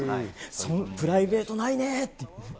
プライベートないねって。